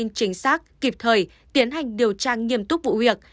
cung cấp thông tin chính xác kịp thời tiến hành điều tra nghiêm túc vụ việc